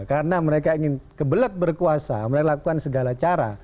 karena mereka ingin kebelet berkuasa mereka lakukan segala cara